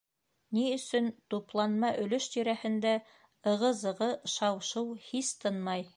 Ни өсөн тупланма өлөш тирәһендә ығы-зығы, шау-шыу һис тынмай?